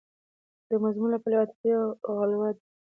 د مضمون له پلوه عاطفي غلوه ده.